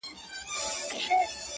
په ساز جوړ وم! له خدايه څخه ليري نه وم!